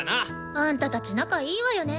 あんたたち仲いいわよね。